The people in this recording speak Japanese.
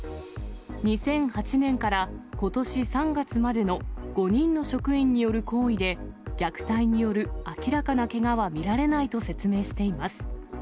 ２００８年からことし３月までの５人の職員による行為で、虐待による明らかなけがは見られないと説明しています。